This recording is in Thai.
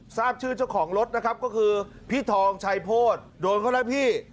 ทราบชื่อเจ้าของรถนะครับก็คือพี่ทองชัยโพธิโดนเขาแล้วพี่